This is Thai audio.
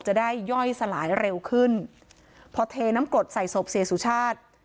จะได้ย่อยสลายเร็วขึ้นพอเทน้ำกรดใส่ศพเสียสุชาติ